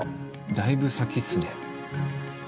だいぶ先っすね。